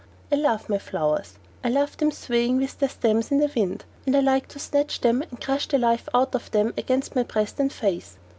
I love my flowers. I love them swaying on their stems in the wind, and I like to snatch them and crush the life out of them against my breast and face.